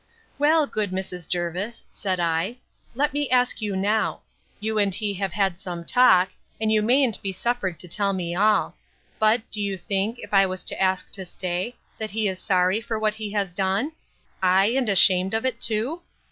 Well, good Mrs. Jervis, said I, let me ask you now:—You and he have had some talk, and you mayn't be suffered to tell me all. But, do you think, if I was to ask to stay, that he is sorry for what he has done? Ay, and ashamed of it too?